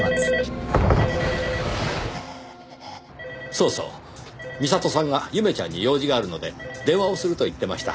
そうそう美里さんが祐芽ちゃんに用事があるので電話をすると言ってました。